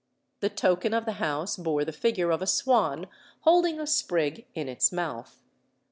The token of the house bore the figure of a swan holding a sprig in its mouth.